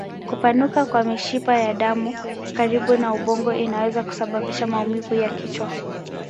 Kupanuka kwa mishipa ya damu karibu na ubongo inaweza kusababisha maumivu ya kichwa.